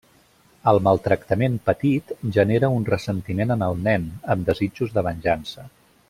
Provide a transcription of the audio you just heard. El maltractament patit genera un ressentiment en el nen, amb desitjos de venjança.